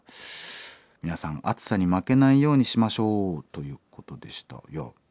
「皆さん暑さに負けないようにしましょう」ということでした。